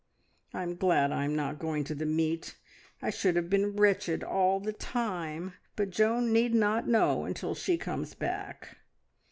I am glad I am not going to the meet. I should have been wretched all the time, but Joan need not know until she comes back."